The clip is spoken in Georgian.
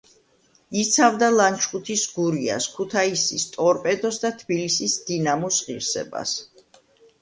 იცავდა ლანჩხუთის „გურიას“, ქუთაისის „ტორპედოს“ და თბილისის „დინამოს“ ღირსებას.